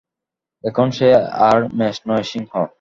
এখন সে আর মেষ নয়, সিংহ।